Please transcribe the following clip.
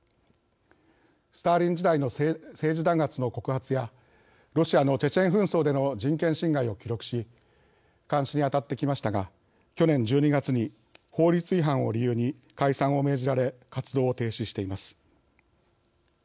スターリン時代の政治弾圧の告発やロシアのチェチェン紛争での人権侵害を記録し監視に当たってきましたが去年１２月に法律違反を理由に解散を命じられ活動を停止しています。